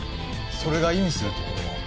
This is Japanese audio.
それが意味するところは？